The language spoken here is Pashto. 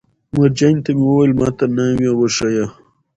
مورجانې ته مې ویل: ما ته ناوې وښایه.